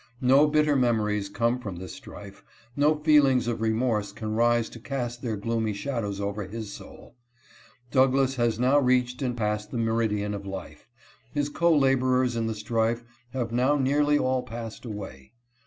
No bitter memories come from this strife ; no feelings of remorse can rise to cast their gloomy shadows over his soul ; Douglass has now reached and passed the meridian of life, his co laborers in the strife have now nearly all passed away.